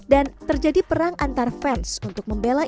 dan terjadi perang antar fans untuk memperbaiki